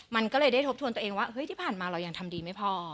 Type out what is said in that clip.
มันก็เลยได้ทบทวนตัวเองว่าเฮ้ยที่ผ่านมาเรายังทำดีไม่พอ